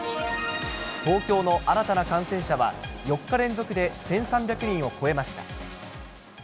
東京の新たな感染者は４日連続で１３００人を超えました。